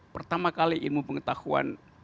pertama kali ilmu pengetahuan